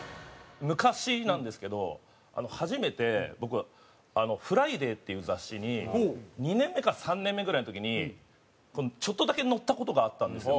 昔なんですけど初めて僕『ＦＲＩＤＡＹ』っていう雑誌に２年目か３年目ぐらいの時にちょっとだけ載った事があったんですけど。